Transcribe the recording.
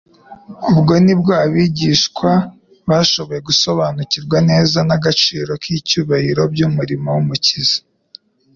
ubwo nibwo abigishwa bashoboye gusobanukirwa neza n'agaciro k'icyubahiro by'umurimo w'Umukiza.